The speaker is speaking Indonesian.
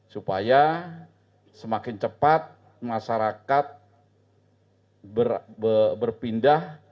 supaya semakin cepat masyarakat berpindah